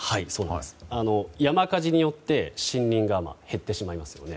山火事によって森林が減ってしまいますよね。